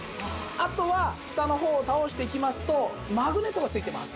あとはふたの方を倒していきますとマグネットが付いてます。